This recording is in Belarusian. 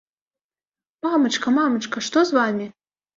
Мамачка, мамачка, што з вамі?